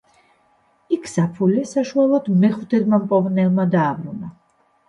იქ საფულე საშუალოდ მეხუთედმა მპოვნელმა დააბრუნა.